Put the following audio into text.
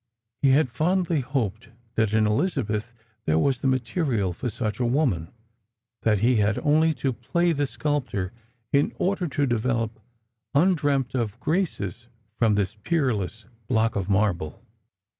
He had fondly hoped that in Elizabeth there was the material for Kuch a woman— that he had only to play the sculptor in order to develop undrearct of graces from this peerless block of marble.